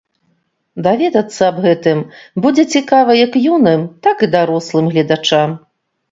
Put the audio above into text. Даведацца аб гэтым будзе цікава як юным, так і дарослым гледачам.